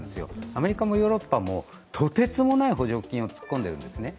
アメリカもヨーロッパもとてつもない補助金を突っ込んでるんですね。